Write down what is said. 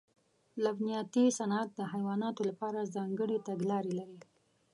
لبنیاتي صنعت د حیواناتو لپاره ځانګړې تګلارې لري.